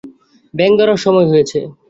ব্যাঙ ধরার সময় হয়েছে!